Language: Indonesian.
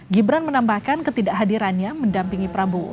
gibran menambahkan ketidakhadirannya mendampingi prabowo